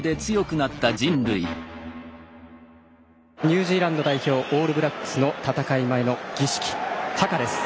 ニュージーランド代表オールブラックスの闘い前の儀式ハカです。